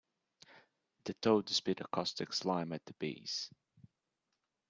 The toad spit a caustic slime at the bees.